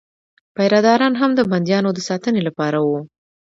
پیره داران هم د بندیانو د ساتنې لپاره وو.